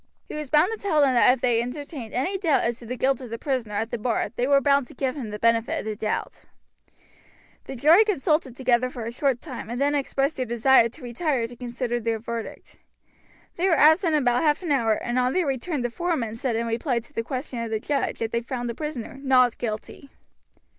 He was bound to tell them that if they entertained any doubt as to the guilt of the prisoner at the bar they were bound to give him the benefit of the doubt. The jury consulted together for a short time and then expressed their desire to retire to consider their verdict. They were absent about half an hour and on their return the foreman said in reply to the question of the judge that they found the prisoner "Not Guilty."